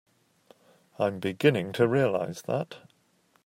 I'm beginning to realize that.